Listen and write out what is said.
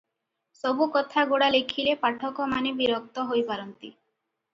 ସବୁ କଥାଗୁଡ଼ା ଲେଖିଲେ ପାଠକମାନେ ବିରକ୍ତ ହୋଇପାରନ୍ତି